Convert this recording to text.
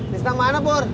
sistem mana pur